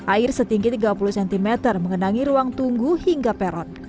air setinggi tiga puluh cm mengenangi ruang tunggu hingga peron